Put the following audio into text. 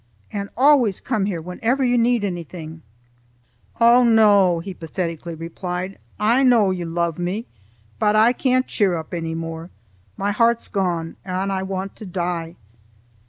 And always come here whenever you need anything." "Oh, no! my friends," he pathetically replied, "I know you love me, but I can't cheer up any more. My heart's gone, and I want to die."